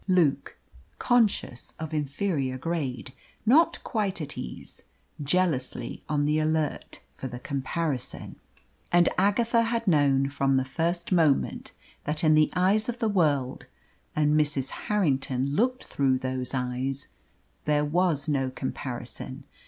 Luke, conscious of inferior grade, not quite at ease, jealously on the alert for the comparison. And Agatha had known from the first moment that in the eyes of the world and Mrs. Harrington looked through those eyes there was no comparison.